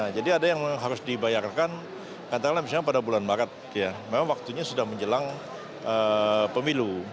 jadi ada yang harus dibayarkan katakanlah misalnya pada bulan maret memang waktunya sudah menjelang pemilu